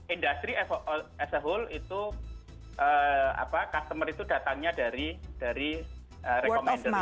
industri as a whole itu customer itu datangnya dari rekomendasi